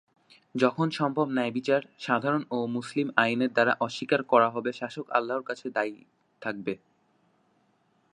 যখন সম্ভব ন্যায়বিচার সাধারণ ও মুসলিম আইনের দ্বারা অস্বীকার করা হবে শাসক আল্লাহর কাছে দায়ী থাকবে।